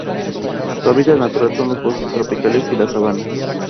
Su hábitat natural son los bosques tropicales y las sabanas.